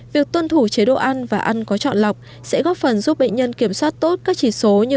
việc tuân thủ chế độ ăn và ăn có chọn lọc sẽ góp phần giúp bệnh nhân kiểm soát tốt các chỉ số như